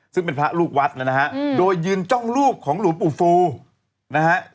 ซึ่งเป็นพระลูกวัดนะฮะโดยยืนจ้องรูปของหลวงปู่ฟูนะฮะ